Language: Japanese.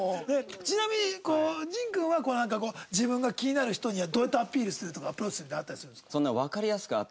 ちなみに迅君は自分が気になる人にはどうやってアピールするとかアプローチするってあったりするんですか？